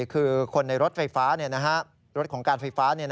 คือคนในรถไฟฟ้ารถของการไฟฟ้า